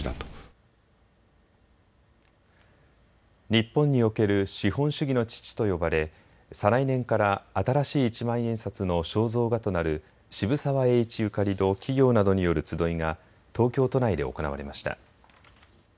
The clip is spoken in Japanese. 日本における資本主義の父と呼ばれ再来年から新しい一万円札の肖像画となる渋沢栄一ゆかりの企業などによる集いが東京都内で行われました。